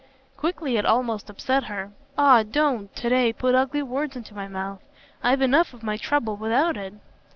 Quickly it almost upset her. "Ah don't, to day, put ugly words into my mouth. I've enough of my trouble without it."